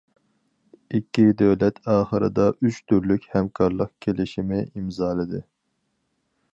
ئىككى دۆلەت ئاخىرىدا ئۈچ تۈرلۈك ھەمكارلىق كېلىشىمى ئىمزالىدى.